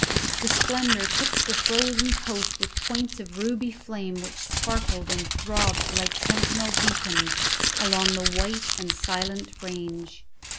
The splendour tipped the frozen coast with points of ruby flame which sparkled and throbbed like sentinel beacons along the white and silent range.